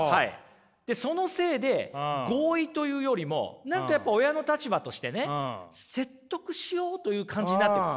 そのせいで合意というよりも何かやっぱ親の立場としてね説得しようという感じになっている。